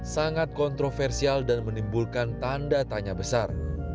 sangat kontroversial dan menimbulkan tanda tanya besar